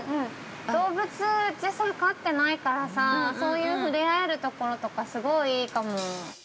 ◆動物、うち飼ってないからそういう触れ合える所とかすごいいいかも。